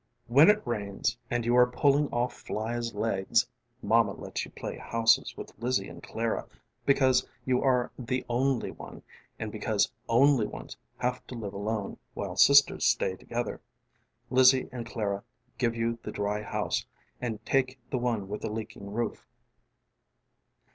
:: When it rains and you are pulling off flies' legsŌĆ" mama lets you play houses with Lizzie and Clara. Because you are the Only OneŌĆö and because Only Ones have to live alone while sisters stay together, Lizzie and Clara give you the dry house and take the one with the leaking roof.